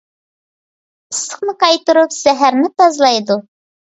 ئىسسىقنى قايتۇرۇپ زەھەرنى تازىلايدۇ.